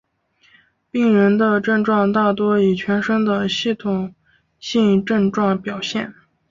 病人的症状大多以全身的系统性症状表现。